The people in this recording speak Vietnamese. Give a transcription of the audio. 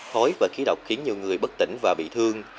khói và khí độc khiến nhiều người bất tỉnh và bị thương